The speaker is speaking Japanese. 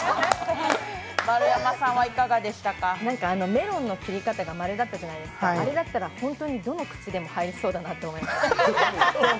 メロンの切り方がまるだったじゃないですか、あれだったら本当にどの口でも入りそうだと思いました。